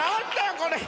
⁉これ。